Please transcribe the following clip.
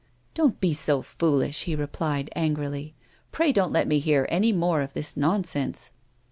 "Don't be so foolish," he replied, angrily. "Pray don't let me hear any more of this nonsense."